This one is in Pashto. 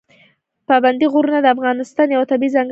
پابندی غرونه د افغانستان یوه طبیعي ځانګړتیا ده.